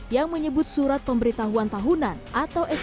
yang menyebut surat pemberitahuan tahunan atau sk